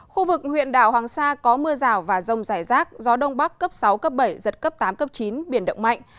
khu vực huyện đảo hoàng sa có mưa rào và rông rải rác gió đông bắc cấp sáu cấp bảy giật cấp tám cấp chín biển động mạnh